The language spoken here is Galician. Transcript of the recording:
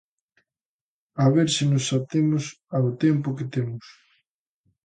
A ver se nos atemos ao tempo que temos.